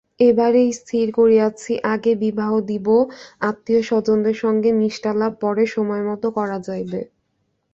এবারে স্থির করিয়াছি আগে বিবাহ দিব, আত্মীয়স্বজনদের সঙ্গে মিষ্টালাপ পরে সময়মত করা যাইবে।